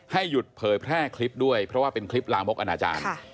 หยุดเผยแพร่คลิปด้วยเพราะว่าเป็นคลิปลามกอนาจารย์